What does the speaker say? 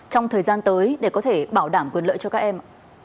trong thời gian tới để có thể bảo đảm quyền lợi cho các em